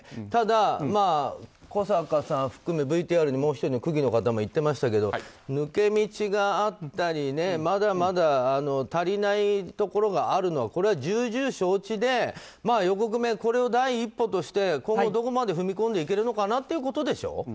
ただ、小坂さん含めＶＴＲにもう１人の区議の方も言ってましたけど抜け道があったり、まだまだ足りないところがあるのは重々承知で横粂、これを第一歩として今後どこまで踏み込んでいけるのかなということでしょう。